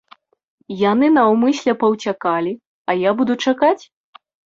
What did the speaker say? Яны наўмысля паўцякалі, а я буду чакаць.